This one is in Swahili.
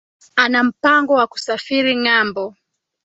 Ana mpango wa kusafiri ngámbo